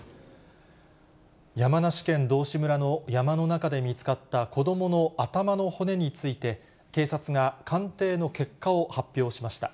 山梨県道志村の山の中で見つかった子どもの頭の骨について、警察が鑑定の結果を発表しました。